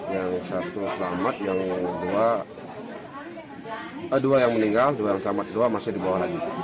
yang satu selamat yang dua yang meninggal yang selamat dua masih dibawa lagi